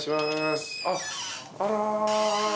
あら。